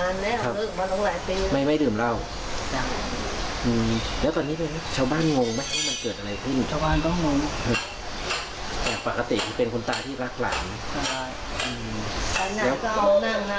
น้ำก็เอานั่งออกไปตลอด